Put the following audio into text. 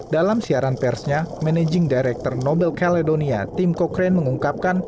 dalam siaran persnya managing director nobel caledonia tim kokren mengungkapkan